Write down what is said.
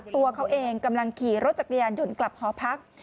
ตัวเขาเองกำลังขี่รถจักรยานยนต์กลับหอพัก